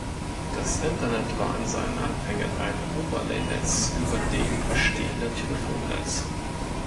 Das Internet war in seinen Anfängen ein Overlay-Netz über dem bestehenden Telefonnetz.